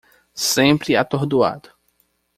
Sempre atordoado